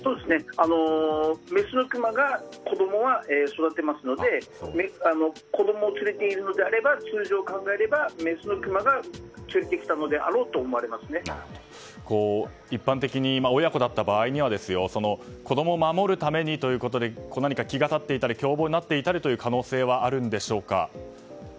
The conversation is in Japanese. メスのクマが子供を育てますので子供を連れているのであれば通常、考えればメスのクマが連れてきたのであろうと一般的に親子だった場合には子供を守るためにということで何か気が立っていたり凶暴になっていたりする可能性はあるんでしょうか。